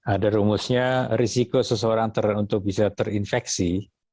ada rumusnya risiko seseorang tertentu bisa terinfeksi